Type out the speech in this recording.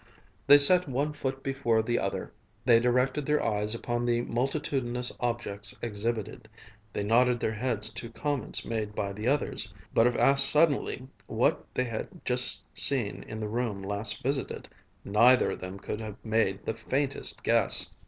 They set one foot before the other, they directed their eyes upon the multitudinous objects exhibited, they nodded their heads to comments made by the others, but if asked suddenly what they had just seen in the room last visited, neither of them could have made the faintest guess.